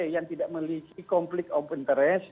yang tidak melicik konflik open interest